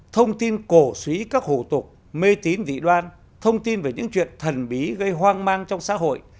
thông tin cổ suý các hủ tục mê tín dị đoan thông tin về những chuyện thần bí gây hoang mang trong xã hội